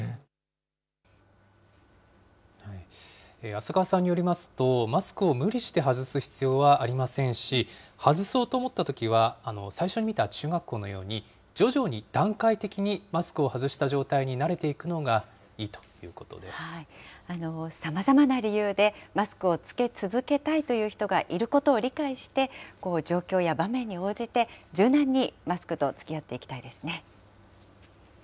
浅川さんによりますと、マスクを無理して外す必要はありませんし、外そうと思ったときは、最初に見た中学校のように、徐々に段階的にマスクを外した状態に慣れていくのがいいというこさまざまな理由で、マスクを着け続けたいという人がいることを理解して、状況や場面に応じて、柔軟にマスクとつきあっていきたいですね。